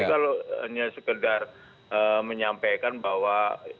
tapi kalau hanya sekedar menyampaikan bahwa